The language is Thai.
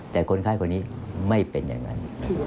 แต่คนไข้คนนี้ไม่เป็นอย่างนั้น